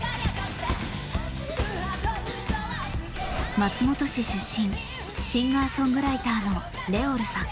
松本市出身シンガーソングライターのＲｅｏｌさん。